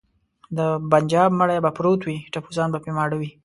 د بنجاب مړی به پروت وي ټپوسان به په ماړه وي.